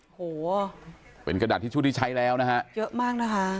โอ้โหเป็นกระดาษทิชชู่ที่ใช้แล้วนะฮะเยอะมากนะคะ